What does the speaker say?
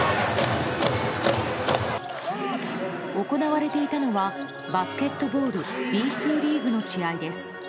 行われていたのはバスケットボールＢ２リーグの試合です。